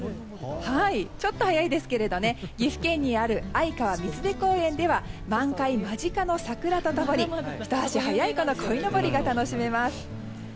ちょっと早いですが岐阜県にある相川水辺公園では満開間近の桜と共にひと足早い、こいのぼりが楽しめます。